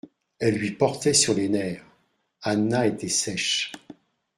elle lui portait sur les nerfs. Anna était sèche